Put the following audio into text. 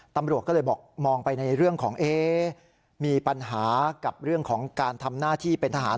ตำรวจก็เลยบอกมองไปในเรื่องของมีปัญหากับเรื่องของการทำหน้าที่เป็นทหาร